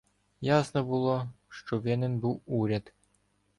Ясно було, що винен був уряд.